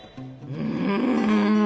うん！